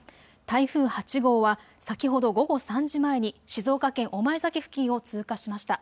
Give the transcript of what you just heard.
台風８号は先ほど午後３時前に静岡県御前崎付近を通過しました。